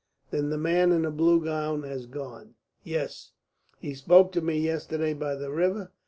Then the man in the blue gown has gone?" "Yes. He spoke to me yesterday by the river.